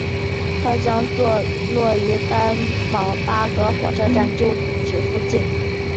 它将坐落于丹戎巴葛火车站旧址附近。